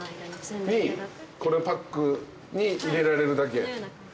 このパックに入れられるだけ。